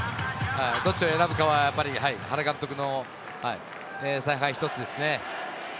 どちらを選ぶかは原監督の采配一つですね。